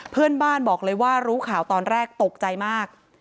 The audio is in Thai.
เพื่อนบ้านบอกเลยว่ารู้ข่าวตอนแรกตกใจมาก